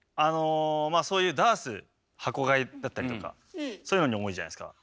そういうダース箱買いだったりとかそういうのに多いじゃないですか。